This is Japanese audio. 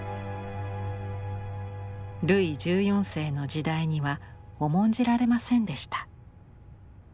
ルイ１４世の時代には重んじられませんでした。